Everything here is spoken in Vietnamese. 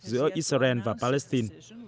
giữa israel và palestine